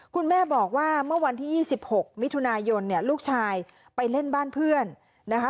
คุณแม่บอกว่าเมื่อวันที่๒๖มิถุนายนเนี่ยลูกชายไปเล่นบ้านเพื่อนนะคะ